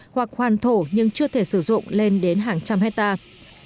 hoặc hoàn thổ nhưng chưa thể sử dụng lên đến hàng trăm hectare